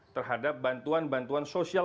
terhadap bantuan bantuan sosial